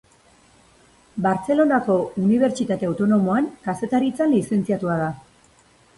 Bartzelonako Unibertsitate Autonomoan Kazetaritzan lizentziatua da.